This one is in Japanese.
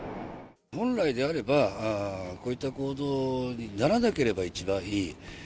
本来であれば、こういった行動にならなければ一番いい。